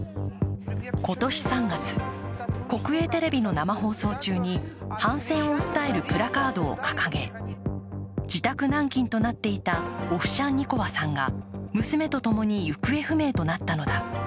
今年３月、国営テレビの生放送中に反戦を訴えるプラカードを掲げ、自宅軟禁となっていたオフシャンニコワさんが娘と共に行方不明となったのだ。